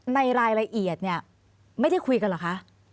ในรายละเอียดเนี่ยไม่ได้คุยกันเหรอคะ